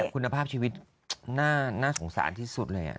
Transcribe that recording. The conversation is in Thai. คุณภาพชีวิตน่าสงสารที่สุดเลย